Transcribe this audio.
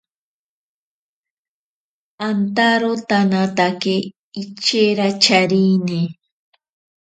Antaro tanaatake ichera charine.